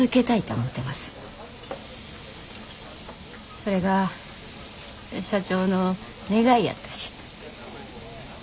それが社長の願いやったし。